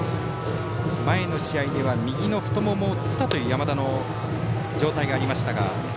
前の試合では右の太ももをつったという山田の状態がありましたが。